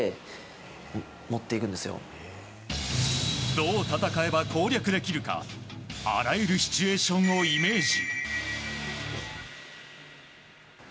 どう戦えば攻略できるかあらゆるシチュエーションをイメージ。